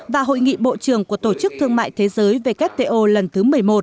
và hội nghị bộ trưởng của tổ chức thương mại thế giới wto lần thứ một mươi một